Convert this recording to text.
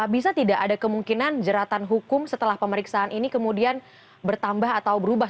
bisa tidak ada kemungkinan jeratan hukum setelah pemeriksaan ini kemudian bertambah atau berubah